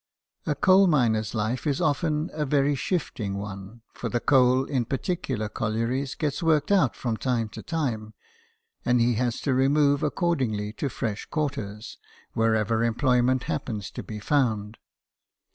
A coal miner's life is often a very shifting one ; for the coal in particular collieries gets worked out from time to time ; and he has to remove, accordingly, to fresh quarters, wherever employ ment happens to be found.